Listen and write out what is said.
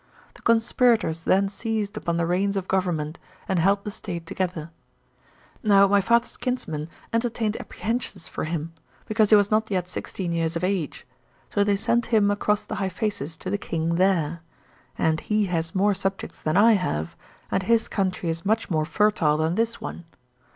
The: conspirators then ! seized upon the reins of government. and held the State together. Νον my father's kinsmen enter tained apprehensions for him, because he was not yet _ sixteen years of age, so they sent him across the Hy _ phasis to the king there. And he has more subjects than I have, and his country is much more fertile than. this one.